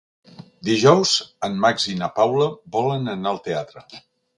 Dijous en Max i na Paula volen anar al teatre.